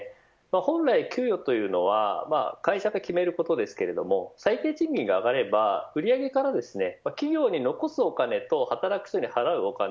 本来、給与というのは会社で決めることですけども最低賃金が上がれば売り上げから企業に残すお金と働く人に払うお金